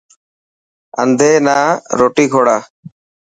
انڌي نا روٽي کوڙا.